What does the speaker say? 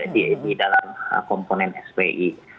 di dalam komponen spi